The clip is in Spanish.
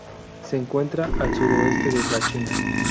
Se encuentra al suroeste de la China.